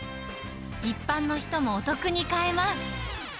一般の人もお得に買えます。